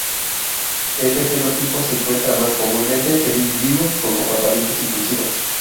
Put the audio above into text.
Este genotipo se encuentra más comúnmente en individuos con comportamientos impulsivos.